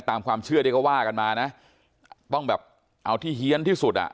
ตามความเชื่อที่เขาว่ากันมานะต้องแบบเอาที่เฮียนที่สุดอ่ะ